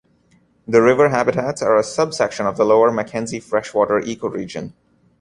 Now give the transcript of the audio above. The river habitats are a subsection of the Lower Mackenzie Freshwater Ecoregion.